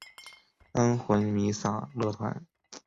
安魂弥撒乐团。